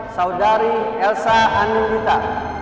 saudari elsa hanunita